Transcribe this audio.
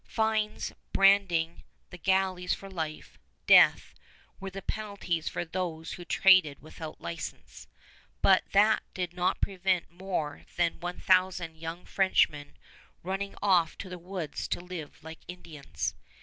Fines, branding, the galleys for life, death, were the penalties for those who traded without license; but that did not prevent more than one thousand young Frenchmen running off to the woods to live like Indians.